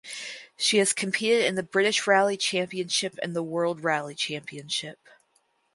She has competed in the British Rally Championship and World Rally Championship.